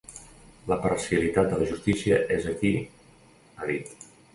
La parcialitat de la justícia és aquí, ha dit.